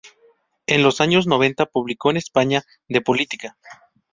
En los años noventa publicó en España “De Política.